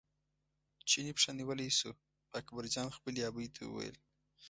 چیني پښه نیولی شو خو اکبرجان خپلې ابۍ ته وویل.